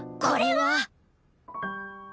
「これは」